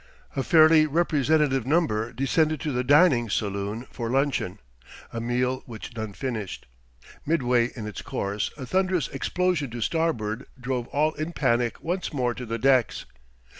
A fairly representative number descended to the dining saloon for luncheon a meal which none finished. Midway in its course a thunderous explosion to starboard drove all in panic once more to the decks.